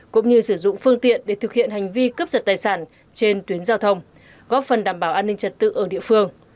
cũng như sử dụng phương tiện để thực hiện hành vi cướp giật tài sản trên tuyến giao thông góp phần đảm bảo an ninh trật tự ở địa phương